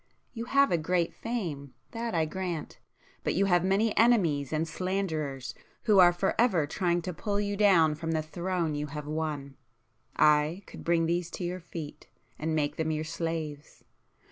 You have a great fame—that I grant; but you have many enemies and slanderers who are for ever trying to pull you down from the throne you have won. I could bring these to your feet, and make them your slaves.